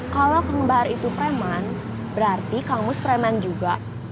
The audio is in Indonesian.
kalau kang bahar itu preman berarti kang mus preman juga